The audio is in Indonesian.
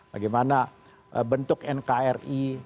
bagaimana bentuk nkri